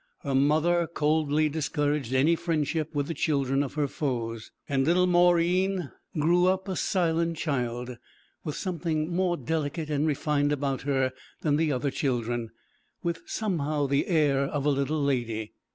Her mother coldly discouraged any friendship with the children of her foes; and little Mauryeen grew up a silent child, with something more delicate and refined about her than the other children, with somehow the air of a little lady.